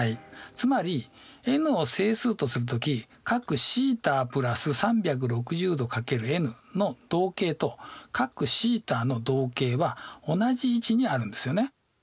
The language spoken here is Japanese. つまりｎを整数とする時角θ＋３６０°×ｎの動径と角θの動径は同じ位置にあるんですよね。